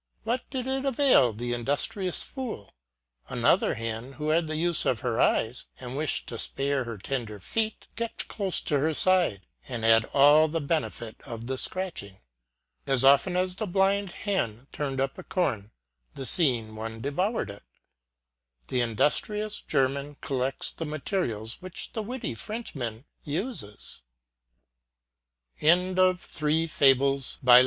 What did it avail the industrious fool ? Another hen, who had the use of her eyes, and wished to spare her tender feet, kept close to her side, and had all the benefit of the scratching. As often as the blind )(en turned up a corn, the seeing one de voured it The industrious German collects the materials which the witty Frenchman uses. 158 HOURS WITH GERMAN CLASSICS.